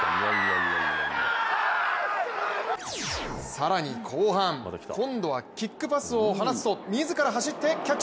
更に後半今度はキックパスを放つと自ら走ってキャッチ！